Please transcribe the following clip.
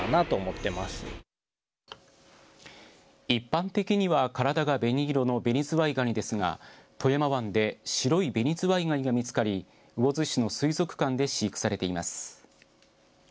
一般的には体が紅色のベニズワイガニですが富山湾で白いベニズワイガニが見つかり、魚津市の水族館で飼育されています。